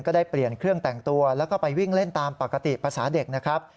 ได้เปลี่ยนเครื่องแต่งตัวแล้วก็ไปวิ่งเล่นตามปกติภาษาเด็กนะครับ